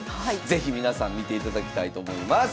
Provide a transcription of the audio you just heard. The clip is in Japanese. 是非皆さん見ていただきたいと思います。